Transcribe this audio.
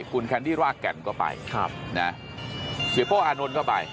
คุณแคนดี้รากแกนก็ไปเสียป้ออานนท์ก็ไป